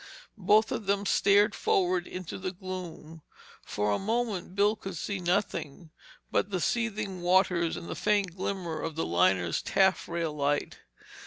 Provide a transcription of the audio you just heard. Both of them stared forward into the gloom. For a moment Bill could see nothing but the seething waters and the faint glimmer of the liner's taffrail light.